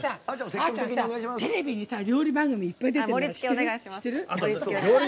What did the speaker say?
あーちゃんさ、テレビに料理番組にいっぱい出てるの知ってる？